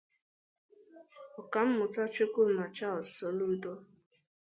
Ọkammụta Chukwuma Charles Soludo